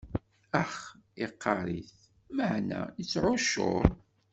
Ax, iqqaṛ-it, meɛna ittɛuccur.